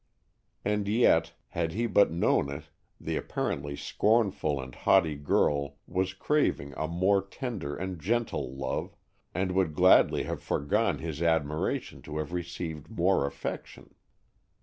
And yet, had he but known it, the apparently scornful and haughty girl was craving a more tender and gentle love, and would gladly have foregone his admiration to have received more affection.